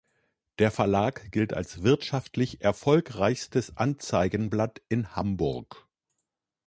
Der Verlag gilt als wirtschaftlich erfolgreichstes Anzeigenblatt in Hamburg.